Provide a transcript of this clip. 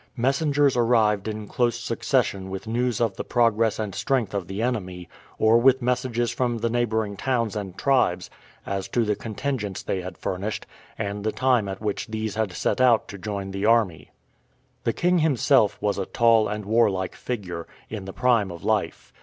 Messengers arrived in close succession with news of the progress and strength of the enemy, or with messages from the neighboring towns and tribes as to the contingents they had furnished, and the time at which these had set out to join the army. The king himself was a tall and warlike figure, in the prime of life.